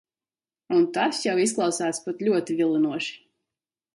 Un tas jau izklausās pat ļoti vilinoši.